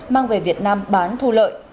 mang về việt nam bán thu lợi